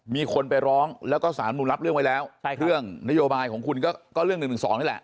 มีคนไปร้องแล้วก็สารนุนรับเรื่องไว้แล้วเรื่องนโยบายของคุณก็เรื่อง๑๑๒นี่แหละ